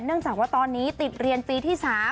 จากว่าตอนนี้ติดเรียนปีที่๓